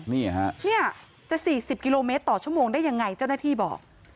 นี่จะ๔๐กิโลเมตรต่อชั่วโมงได้อย่างไรเจ้าหน้าที่บอก